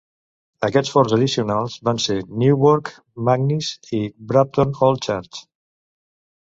Aquests forts addicionals van ser Newbrough, Magnis i Brampton Old Church.